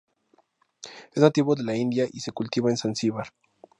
Es nativo de la India, y se cultiva en Zanzíbar.